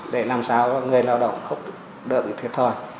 để làm sao người lao động không được được thiệt thòi